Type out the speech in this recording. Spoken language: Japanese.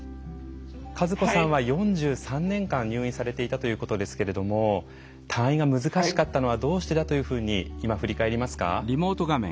和子さんは４３年間入院をされていたということですけども退院が難しかったのはどうしてだというふうに今、振り返りますか？